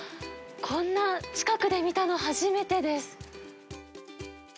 こんな近くで見たの、初めてです。